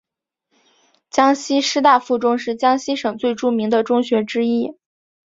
江西师大附中是江西省最著名的中学之一。